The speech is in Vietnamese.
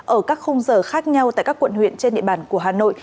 ở các khung giờ khác nhau tại các quận huyện trên địa bàn của hà nội